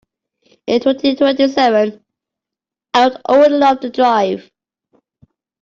In twenty-twenty-seven I will old enough to drive.